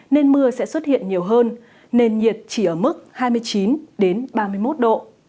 nên mưa sẽ xuất hiện nhiều hơn nền nhiệt chỉ ở mức hai mươi chín ba mươi một độ